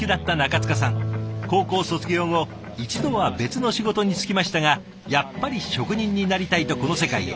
高校卒業後一度は別の仕事に就きましたがやっぱり職人になりたいとこの世界へ。